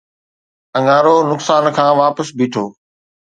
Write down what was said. اڱارو نقصان کان واپس بيٺو